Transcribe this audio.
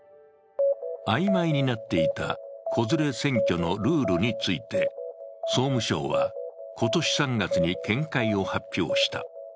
あいまいになっていた子連れ選挙のルールについて総務省は今年３月に見解を発表した。